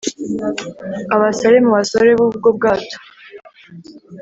abasare mu basare b ubwo bwato